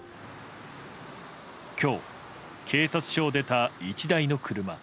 きょう、警察署を出た１台の車。